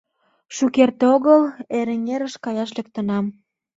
Шукерте огыл Эреҥерыш каяш лектынам.